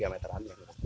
tiga meter aneh